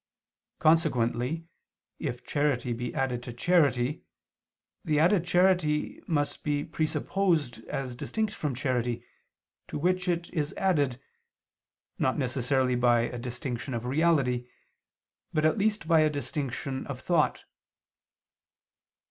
Consequently if charity be added to charity, the added charity must be presupposed as distinct from charity to which it is added, not necessarily by a distinction of reality, but at least by a distinction of thought.